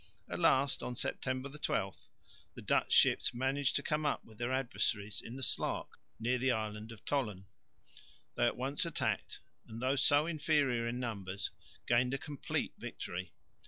At last (September 12) the Dutch ships managed to come up with their adversaries in the Slaak near the island of Tholen. They at once attacked and though so inferior in numbers gained a complete victory.